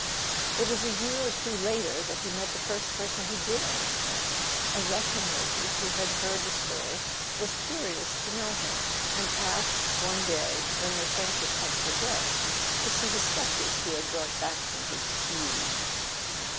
It was a year or two later that he met the first person who did understand: a Russian lady who had heard [ 48 ] A SON AT THE FRONT the story, was curious to know him, and asked, one day, when their friendship had progressed, to see the sketches he had brought back from his fugue.